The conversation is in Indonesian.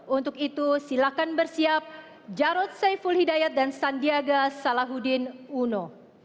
untuk itu silakan bersiap jarod saiful hidayat dan sandiaga salahuddin uno